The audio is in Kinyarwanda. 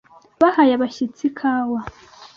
Bahaye abashyitsi ikawa.